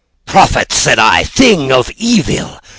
"Prophet!" said I, "thing of evil!